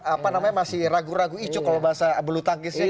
apa namanya masih ragu ragu icu kalau bahasa belutangkisnya